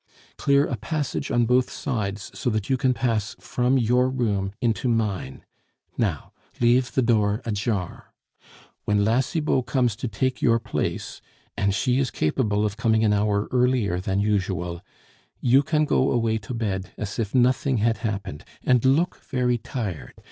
"Clear a passage on both sides, so that you can pass from your room into mine. Now, leave the door ajar. When La Cibot comes to take your place (and she is capable of coming an hour earlier than usual), you can go away to bed as if nothing had happened, and look very tired.